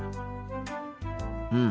うん。